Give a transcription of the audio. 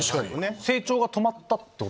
成長が止まったってこと？